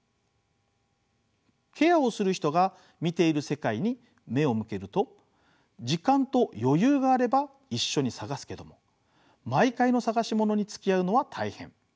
ケアをする人が見ている世界に目を向けると時間と余裕があれば一緒に探すけども毎回の探し物に付き合うのは大変。